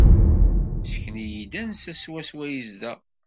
Sken-iyi-d anda swaswa i yezdeɣ.